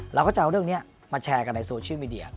เราก็จะเอาเรื่องนี้มาแชร์กันในโซเชียลมีเดีย